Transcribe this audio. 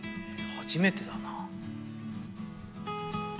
初めてだな。